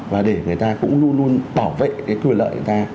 và để người ta cũng luôn luôn bảo vệ cái quyền lợi của ta